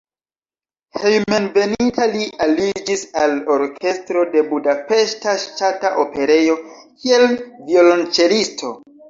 Hejmenveninta li aliĝis al orkestro de Budapeŝta Ŝtata Operejo, kiel violonĉelisto.